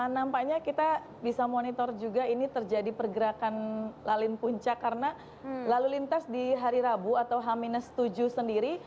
nampaknya kita bisa monitor juga ini terjadi pergerakan lalin puncak karena lalu lintas di hari rabu atau h tujuh sendiri